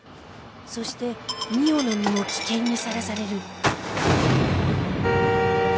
そして望緒の身も危険にさらされる